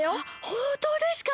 ほんとうですか！？